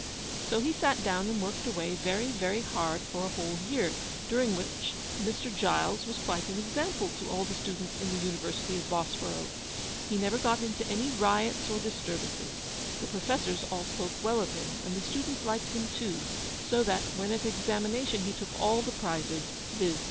So he sat down and worked away, very, very hard for a whole year, during which 'Mr. Giles' was quite an example to all the students in the University of Bosforo. He never got into any riots or disturbances. The Professors all spoke well of him, and the students liked him too; so that, when at examination, he took all the prizes, viz.